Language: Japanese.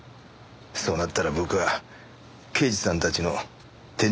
そうなったら僕は刑事さんたちの天敵だ。